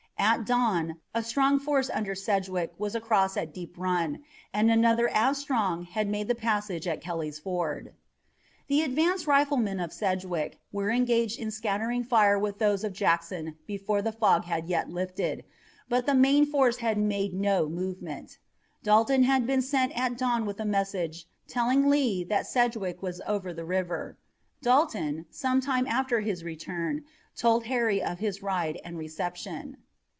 At dawn a strong force under Sedgwick was across at Deep Run, and another as strong had made the passage at Kelly's Ford. The advanced riflemen of Sedgwick were engaged in scattered firing with those of Jackson before the fog had yet lifted, but the main force had made no movement. Dalton had been sent at dawn with a message telling Lee that Sedgwick was over the river. Dalton, some time after his return, told Harry of his ride and reception.